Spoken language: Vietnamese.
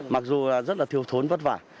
mặc dù rất là thiếu thốn vất vả